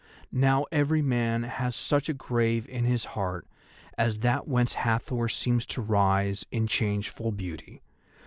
Now every man has such a grave in his heart as that whence Hathor seems to rise in changeful beauty.